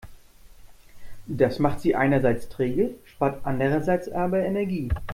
Das macht sie einerseits träge, spart andererseits aber Energie.